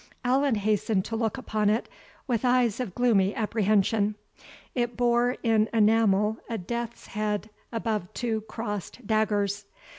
Allan hastened to look upon it, with eyes of gloomy apprehension; it bore, in enamel, a death's head above two crossed daggers.